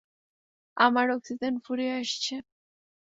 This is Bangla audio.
আমার অক্সিজেন ফুরিয়ে আসছে!